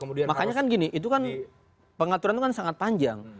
makanya kan gini itu kan pengaturan itu kan sangat panjang